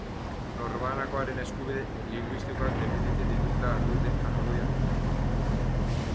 Norbanakoaren eskubide linguistikoak defenditzen dituztela argudiatzen dute.